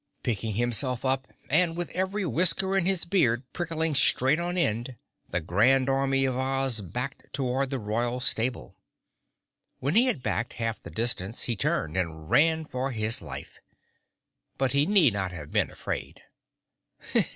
Picking himself up, and with every whisker in his beard prickling straight on end, the Grand Army of Oz backed toward the royal stable. When he had backed half the distance he turned and ran for his life. But he need not have been afraid.